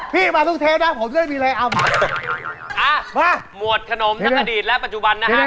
พี่มาทุกเทปนะผมจะไม่มีอะไรเอามาหมวดขนมทั้งอดีตและปัจจุบันนะฮะ